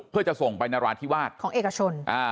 เพื่อจะส่งไปนราธิวาสของเอกชน